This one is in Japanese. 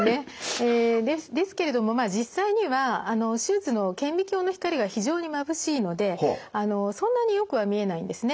えですけれどもまあ実際には手術の顕微鏡の光が非常にまぶしいのでそんなによくは見えないんですね。